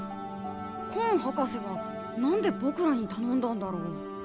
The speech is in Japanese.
コン博士が何で僕らに頼んだんだろう？